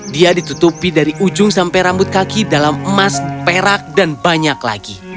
dia ditutupi dari ujung sampai rambut kaki dalam emas perak dan banyak lagi